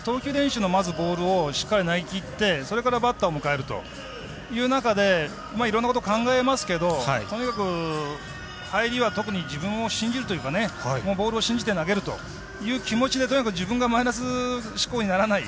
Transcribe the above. まずボールをしっかり投げきってそれからバッターを迎えるという中で、いろんなこと考えますがとにかく、入りは特に自分を信じるというかボールを信じて投げるという気持ちでとにかく自分がマイナス思考にならない。